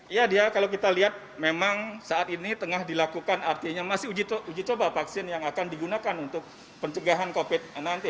iya dia kalau kita lihat memang saat ini tengah dilakukan artinya masih uji coba vaksin yang akan digunakan untuk pencegahan covid sembilan belas